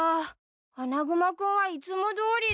アナグマ君はいつもどおりだ。